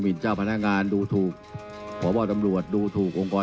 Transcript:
ภาษาอังกฤษภาษาอังกฤษ